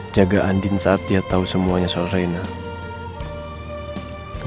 jaga andien saat dia tau semuanya soalnya ini